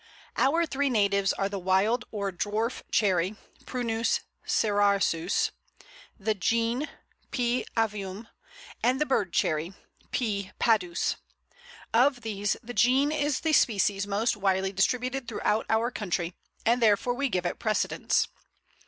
] Our three natives are the Wild or Dwarf Cherry (Prunus cerasus), the Gean (P. avium), and the Bird Cherry (P. padus). Of these the Gean is the species most widely distributed throughout our country, and we therefore give it precedence.